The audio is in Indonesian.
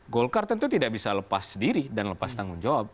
golkar tentu tidak bisa lepas diri dan lepas tanggung jawab